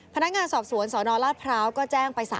พนักงานสอบสวนสนราชพร้าวก็แจ้งไป๓